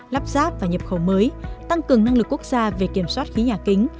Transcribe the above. lắp ráp và nhập khẩu mới tăng cường năng lực quốc gia về kiểm soát khí nhà kính